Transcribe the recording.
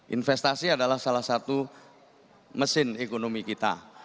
investasi adalah salah satu mesin ekonomi kita